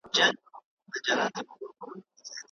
سالم خلک له میکروبونو محافظت لري.